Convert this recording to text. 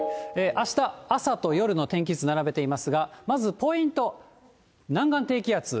あした朝と夜の天気図並べていますが、まずポイント、南岸低気圧。